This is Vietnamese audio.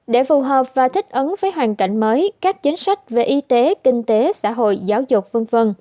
để phù hợp và thích ứng với hoàn cảnh mới các chính sách về y tế kinh tế xã hội giáo dục v v